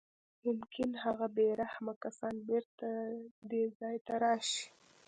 ممکن هغه بې رحمه کسان بېرته دې ځای ته راشي